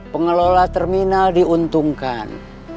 pengelola terminal diuntungkan